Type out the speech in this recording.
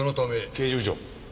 刑事部長。